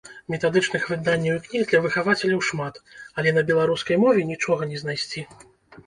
Метадычных выданняў і кніг для выхавацеляў шмат, але на беларускай мове нічога не знайсці.